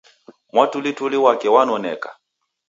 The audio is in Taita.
Mwatulituli wake wanonek